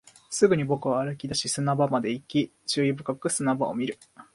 すぐに僕は歩き出し、砂場まで行き、注意深く砂場を見る